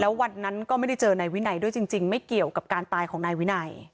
วันนั้นก็ไม่ได้เจอนายวินัยด้วยจริงไม่เกี่ยวกับการตายของนายวินัย